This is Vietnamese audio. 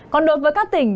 còn đối với các tỉnh